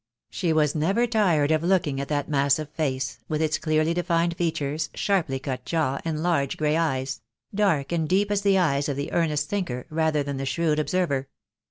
She was never tired of looking at that massive face, with its 104 THE DAY WILL COME. clearly defined features, sharply cut jaw, and large grey eyes — dark and deep as the eyes of the earnest thinker rather than the shrewd observer.